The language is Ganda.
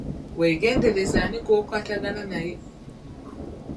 Wegendereze ani gw'okwatagana naye.